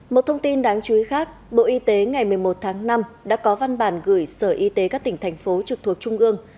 một thông tin đáng chú ý khác bộ y tế ngày một mươi một tháng năm đã có văn bản gửi sở y tế các tỉnh thành phố trực thuộc trung ương